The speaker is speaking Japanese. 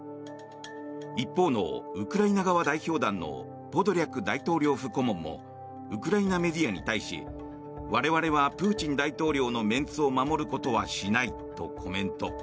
一方のウクライナ側代表団のポドリャク大統領府顧問もウクライナメディアに対し我々はプーチン大統領のメンツを守ることはしないとコメント。